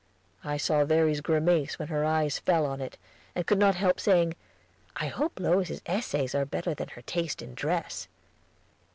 I saw Verry's grimace when her eyes fell on it, and could not help saying, "I hope Lois's essays are better than her taste in dress."